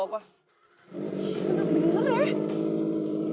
cepet udah udah